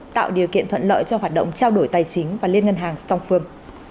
tạo điều kiện thuận lợi cho hoạt động trao đổi tài chính và liên ngân hàng song phương